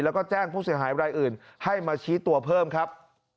แล้วก็แจ้งผู้เสียหายรายอื่นให้มาชี้ตัวเพิ่มครับ